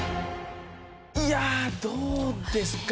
いやあどうですかね。